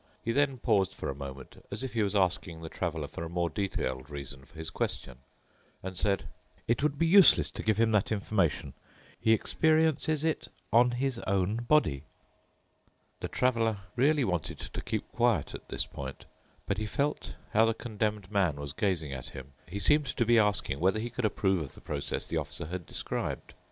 He then paused for a moment, as if he was asking the Traveler for a more detailed reason for his question, and said, "It would be useless to give him that information. He experiences it on his own body." The Traveler really wanted to keep quiet at this point, but he felt how the Condemned Man was gazing at him—he seemed to be asking whether he could approve of the process the Officer had described.